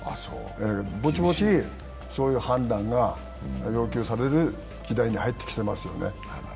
ぼちぼち、そういう判断が要求される時代に入ってきていますよね。